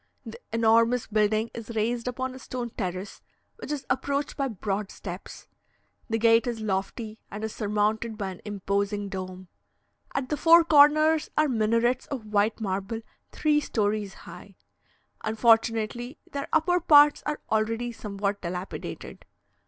The enormous building is raised upon a stone terrace, which is approached by broad steps; the gate is lofty, and is surmounted by an imposing dome. At the four corners are minarets of white marble three stories high; unfortunately, their upper parts are already somewhat dilapidated.